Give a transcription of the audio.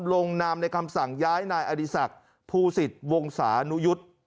ลงนามในคำสั่งย้ายนายอดีศักดิ์ภูสิตวงศานุยุทธ์